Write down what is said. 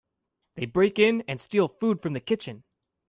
They break in and steal food from the kitchen.